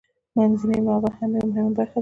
منځنی مغزه هم یوه مهمه برخه ده